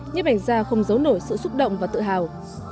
nhiếp ảnh gia không giấu nổi sự xúc động và tự hào